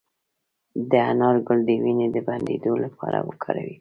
د انار ګل د وینې د بندیدو لپاره وکاروئ